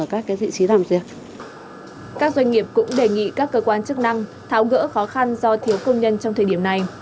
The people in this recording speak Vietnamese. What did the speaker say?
các doanh nghiệp cũng đề nghị các cơ quan chức năng tháo gỡ khó khăn do thiếu công nhân trong thời điểm này